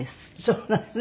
そうなのね。